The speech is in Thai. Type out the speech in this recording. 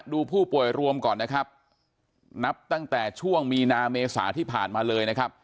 ดูผู้ป่วยรวมก่อนนะครับนับตั้งแต่ช่วงมีนาเมษาที่ผ่านมาเลยนะครับ